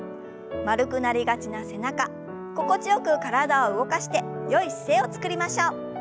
丸くなりがちな背中心地よく体を動かしてよい姿勢をつくりましょう。